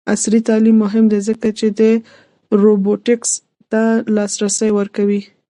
عصري تعلیم مهم دی ځکه چې روبوټکس ته لاسرسی ورکوي.